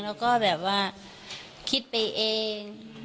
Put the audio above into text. แล้วก็แบบว่าคิดไปเอง